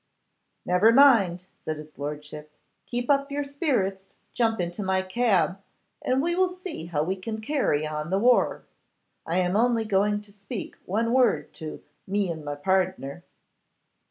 'Never mind,' said his lordship; 'keep up your spirits, jump into my cab, and we will see how we can carry on the war. I am only going to speak one word to "me and my pardner."